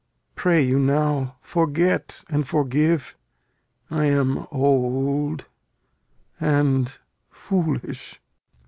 Pray you now, forget and forgive. I am old and foolish.